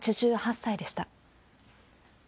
８８歳でした。